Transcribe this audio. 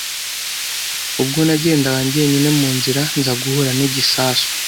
ubwo nagendaga njyenyine mu nzira nza guhura n’igisasu